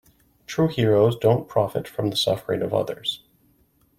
True heroes don't profit from the suffering of others.